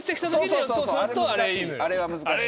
あれは難しい。